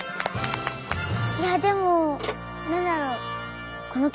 いやでもなんだろう。